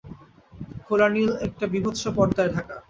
খোলা নীল একটা বীভৎস পরদায় ঢাকা।